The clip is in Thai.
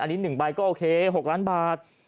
อันนี้๑ใบก็โอเค๖ล้านบาท